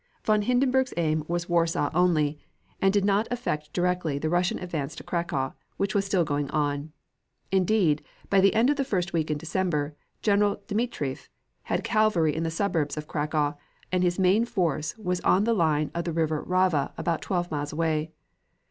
Von Hindenburg's aim was Warsaw only, and did not affect directly the Russian advance to Cracow, which was still going on. Indeed, by the end of the first week in December, General Dmitrieff had cavalry in the suburbs of Cracow, and his main force was on the line of the River Rava about twelve miles away.